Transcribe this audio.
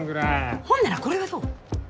ほんならこれはどう？